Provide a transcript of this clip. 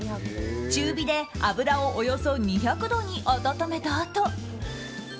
中火で油をおよそ２００度に温めたあと。